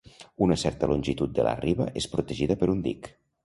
Una certa longitud de la riba és protegida per un dic.